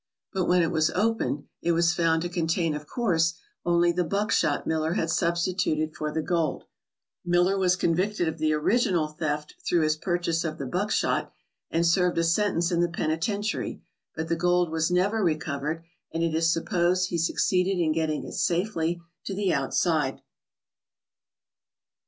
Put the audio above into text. But when it was opened it was found to contain, of course, only the buckshot Miller had substituted for the gold. Miller was convicted of the original theft through his purchase of the buckshot and served a sentence in the penitentiary, but the gold was never recovered and it is supposed he succeeded in getting it safely to the outside.